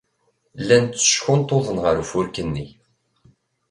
Llan tteckunṭuḍen ɣer ufurk-nni.